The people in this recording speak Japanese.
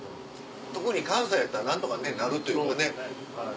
特に関西やったら何とかなるというかね。